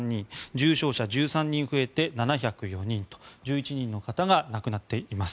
重症者は１３人増えて７０４人と１１人の方が亡くなっています。